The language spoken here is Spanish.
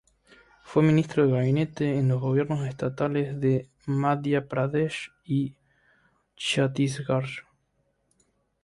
Fue ministro de gabinete en los gobiernos estatales de Madhya Pradesh y Chhattisgarh.